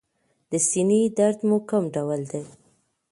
د سینې درد مو کوم ډول دی؟